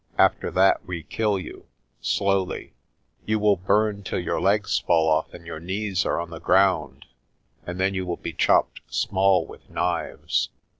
After that we kill you slowly. You will burn till your legs fall off and your knees are on the ground, and then you will be chopped small with knives."